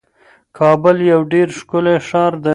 کابل یو ډیر ښکلی ښار دی.